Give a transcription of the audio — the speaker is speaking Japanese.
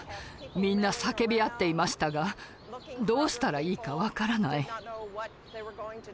みんな叫び合っていましたがどうしたらいいか分からない。